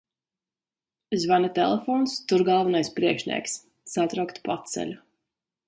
Zvana telefons, tur galvenais priekšnieks. Satraukta paceļu.